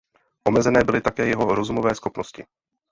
Omezené byly také jeho rozumové schopnosti.